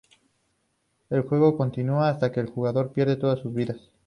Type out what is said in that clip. El juego continúa hasta que el jugador pierde todas sus vidas.